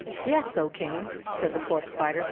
" Yes, O King," said the Fourth Spider.